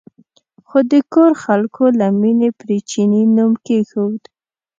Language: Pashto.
خو د کور خلکو له مینې پرې چیني نوم کېښود.